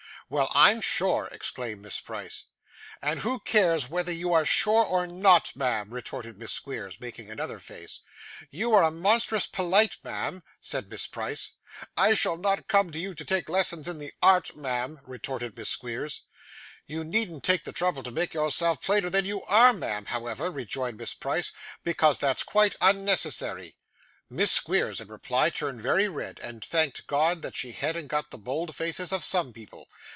'Well, I'm sure!' exclaimed Miss Price. 'And who cares whether you are sure or not, ma'am?' retorted Miss Squeers, making another face. 'You are monstrous polite, ma'am,' said Miss Price. 'I shall not come to you to take lessons in the art, ma'am!' retorted Miss Squeers. 'You needn't take the trouble to make yourself plainer than you are, ma'am, however,' rejoined Miss Price, 'because that's quite unnecessary.' Miss Squeers, in reply, turned very red, and thanked God that she hadn't got the bold faces of some people.